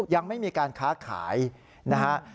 ยังไม่มีการค้าขายนะฮะ